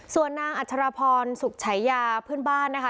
ส่วนนางอัชรพรสุขฉายาเพื่อนบ้านนะคะ